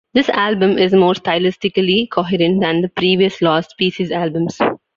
This album is more stylistically coherent than the previous Lost Pieces albums.